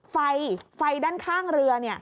ไฟไฟด้านข้างเรือ